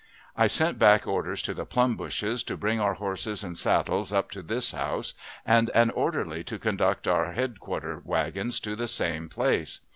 I sent back orders to the "plum bushes" to bring our horses and saddles up to this house, and an orderly to conduct our headquarter wagons to the same place.